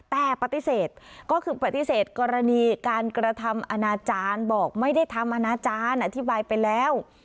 แต่ปฏิเสธก็คือปฏิเสธกรณีการกระทำอนาจารย์บอกไม่ได้ทำอนาจารย์อธิบายไปแล้ว